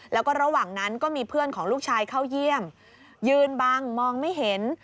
แล้วก็ระหว่างนั้นก็มีเพื่อนของลูกชายเข้าเยี่ยมยืนบังมองไม่เห็น